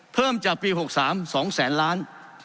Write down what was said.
เพิ่มจากปี๖๓๒แสนล้าน